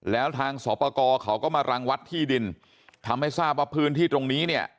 แล้วทางสอบประกอบเขาก็มารังวัดที่ดินทำให้ทราบว่าพื้นที่ตรงนี้เนี่ย